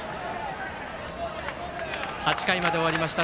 ８回まで終わりました。